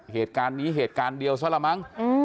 เหตุการณ์นี้เหตุการณ์เดียวซะละมั้ง